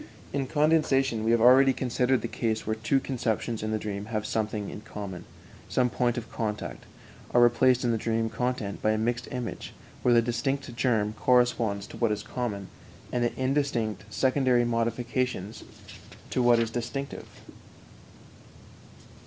In condensation we have already considered the case where two conceptions in the dream having something in common, some point of contact, are replaced in the dream content by a mixed image, where the distinct germ corresponds to what is common, and the indistinct secondary modifications to what is distinctive.